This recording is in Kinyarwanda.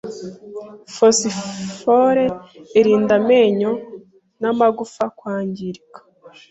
Fosifore irinda amenyo n’amagufa kwangirika